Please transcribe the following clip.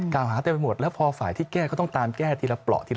หาเต็มไปหมดแล้วพอฝ่ายที่แก้ก็ต้องตามแก้ทีละเปราะทีละ